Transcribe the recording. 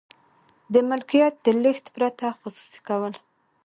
د ملکیت د لیږد پرته خصوصي کول.